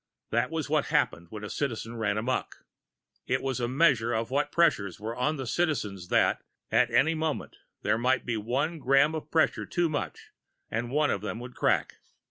That was what happened when a Citizen ran amok. It was a measure of what pressures were on the Citizens that, at any moment, there might be one gram of pressure too much and one of them would crack.